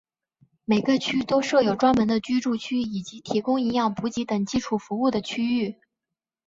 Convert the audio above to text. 每个区都设有专门的居住区以及提供营养补给等基础服务的区域。